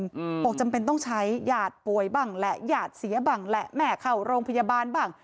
อืมบอกจำเป็นต้องใช้หยาดป่วยบ้างแหละหยาดเสียบ้างแหละแม่เข้าโรงพยาบาลบ้าง